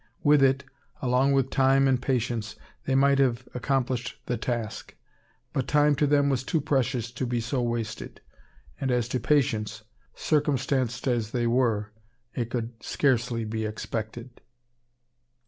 With it, along with time and patience, they might have accomplished the task; but time to them was too precious to be so wasted; and as to patience, circumstanced as they were, it could scarcely be expected.